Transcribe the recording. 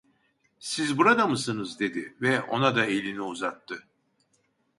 "Siz burada mısınız?" dedi ve ona da elini uzattı.